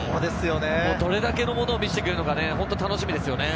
どれだけのものを見せてくれるのか、本当に楽しみです。